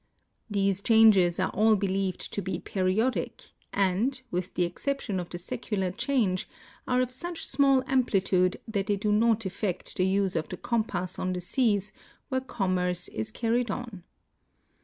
These changes are all believed to be periodic and, with the exception of the secular change, are of such small amplitude that they do not affect the use of the compass on the seas where commerce is carried on.